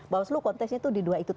bawah seluruh konteksnya itu di dua itu